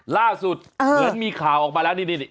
ล่าสุดเหมือนมีข่าวออกมาแล้วนิดนิด